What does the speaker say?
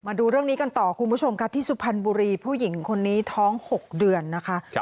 มาดูเรื่องนี้กันต่อคุณผู้ชมค่ะที่สุพรรณบุรีผู้หญิงคนนี้ท้อง๖เดือนนะคะ